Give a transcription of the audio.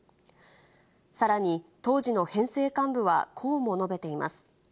さらに、当時の編成幹部はこうも述べています。